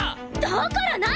だから何！？